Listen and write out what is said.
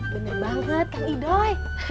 bener banget kak idoi